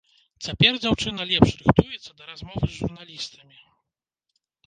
Цяпер дзяўчына лепш рыхтуецца да размовы з журналістамі.